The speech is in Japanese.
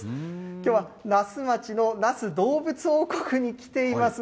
きょうは那須町の那須どうぶつ王国に来ています。